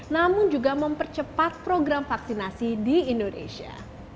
namun juga mempercepat program vaksinasi di indonesia